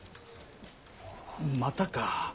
またか。